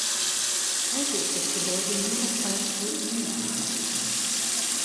Heute ist das Gebäude nur noch als Ruine erhalten.